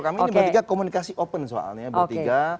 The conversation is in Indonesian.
kami ini bertiga komunikasi open soalnya bertiga